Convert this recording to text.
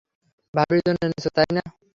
ভাবির জন্য এনেছো তাই না?